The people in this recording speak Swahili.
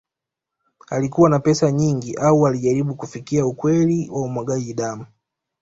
Alikuwa na pesa nyingi au alijaribu kufikia ukweli wa umwagaji damu